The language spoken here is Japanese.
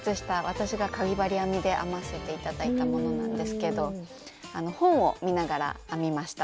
私がかぎ針編みで編ませて頂いたものなんですけど本を見ながら編みました。